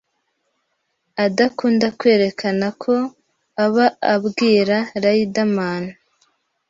adakunda kwerekana ko aba abwira Riderman